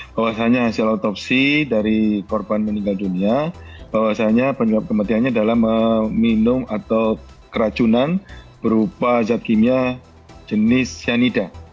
bahwasannya hasil otopsi dari korban meninggal dunia bahwasannya penyebab kematiannya adalah meminum atau keracunan berupa zat kimia jenis cyanida